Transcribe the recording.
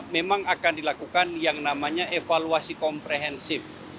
memang akan dilakukan yang namanya evaluasi komprehensif